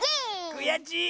くやちい。